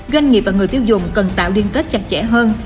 doanh nghiệp và người tiêu dùng cần tạo liên kết chặt chẽ hơn